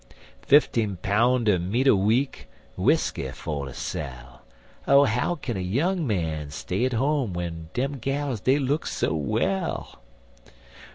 Fifteen poun' er meat a week, W'isky for ter sell, Oh, how can a young man stay at home, Dem gals dey look so well?